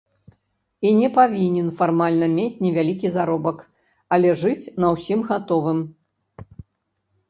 І не павінен фармальна мець невялікі заробак, але жыць на ўсім гатовым.